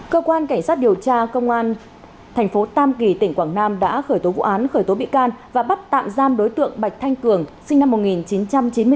cơ quan cảnh sát điều tra công an thành phố tam kỳ tỉnh quảng nam đã khởi tố vụ án khởi tố bị can và bắt tạm giam đối tượng bạch thanh cường sinh năm một nghìn chín trăm chín mươi bốn